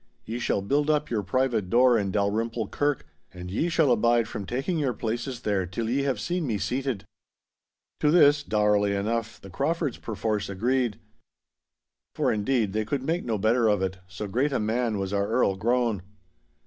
Ye shall build up your private door in Dalrymple Kirk, and ye shall abide from taking your places there till ye have seen me seated.' To this, dourly enough, the Craufords perforce agreed. For, indeed, they could make no better of it, so great a man was our Earl grown.